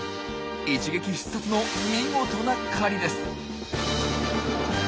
一撃必殺の見事な狩りです。